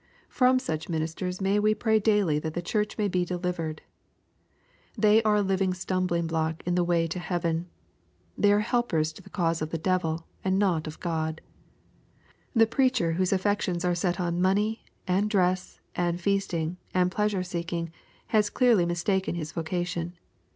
From such ministers may we pray daily that the Church may be delivered I They are a living stumbling block in the way to heaven. They are helpers to the cause" of the devil, and not of God. The preacher whose affections are set on money, and dress and feasting, and pleasure seeking, has clearly j mistaken his vocation.